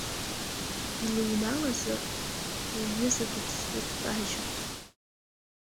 Илыҩналазар, рҩыза дыԥсны дкажьуп.